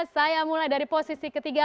saya mulai dari posisi ketiga